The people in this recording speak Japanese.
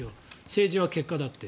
政治は結果だって。